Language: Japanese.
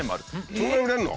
そんな売れんの？